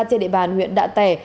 trên địa bàn huyện đạ tẻ